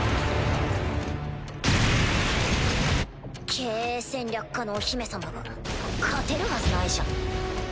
経営戦略科のお姫様が勝てるはずないじゃん。